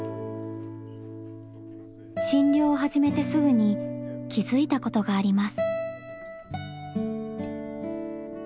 診療を始めてすぐに気付いたことがあります。